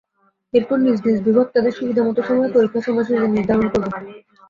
এরপর নিজ নিজ বিভাগ তাদের সুবিধামতো সময়ে পরীক্ষার সময়সূচি নির্ধারণ করবে।